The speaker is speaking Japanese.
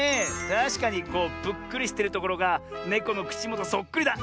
たしかにこうぷっくりしてるところがネコのくちもとそっくりだ。